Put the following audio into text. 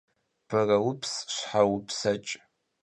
Bereups şhe vupseç'!